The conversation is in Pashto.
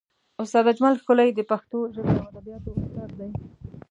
استاد اجمل ښکلی د پښتو ژبې او ادبیاتو استاد دی.